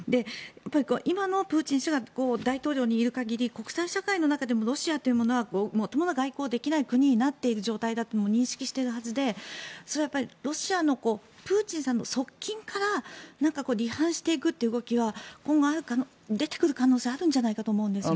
今のプーチン氏が大統領にいる限り国際社会の中でもロシアというものはまともな外交ができなくなっている国だというのは認識しているはずでそれはロシアのプーチンさんの側近から離反していくという動きは今後出てくる可能性はあるんじゃないかと思うんです。